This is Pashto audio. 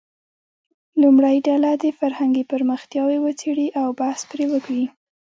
لومړۍ ډله دې فرهنګي پرمختیاوې وڅېړي او بحث پرې وکړي.